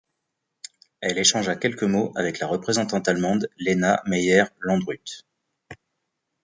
Elle échangea quelques mots avec la représentante allemande, Lena Meyer-Landrut.